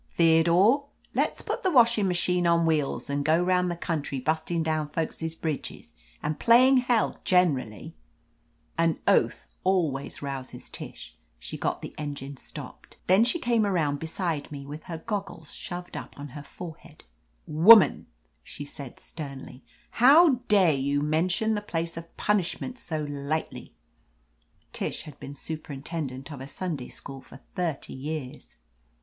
Theodore, let's put the washing machine on wheels and go round the country bustin' down folks' bridges and playin' hell generally !" An oath always rouses Tish. She got the engine stopped. Then she came around beside me with her goggles shoved up on her fore head. "Woman," she said sternly, "how dare you mention the place of punishment so lightly!" Tish had been superintendent of a Sunday school for thirty years.